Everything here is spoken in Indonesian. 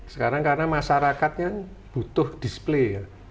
sekarang karena masyarakatnya butuh display